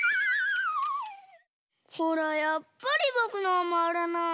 ほらやっぱりぼくのはまわらない！